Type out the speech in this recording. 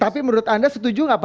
tapi menurut anda setuju